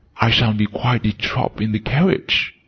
I shall be quite de trop in the carriage!"